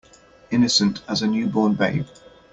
Innocent as a new born babe.